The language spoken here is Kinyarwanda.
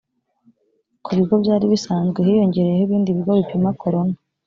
ku bigo byari bisanzwe hiyongereyeho ibindi bigo bipima corona